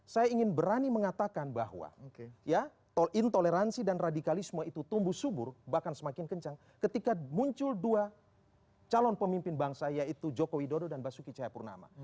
saya ingin berani mengatakan bahwa intoleransi dan radikalisme itu tumbuh subur bahkan semakin kencang ketika muncul dua calon pemimpin bangsa yaitu jokowi dodo dan basuki cahayapurnama